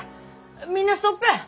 みんなストップ！